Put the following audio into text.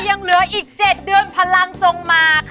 ยังเหลืออีก๗เดือนพลังจงมาค่ะ